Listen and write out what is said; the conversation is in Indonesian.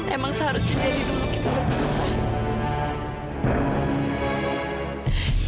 emang seharusnya hidup kita udah besar